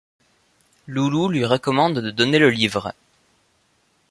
Loulou lui recommande de donner le livre.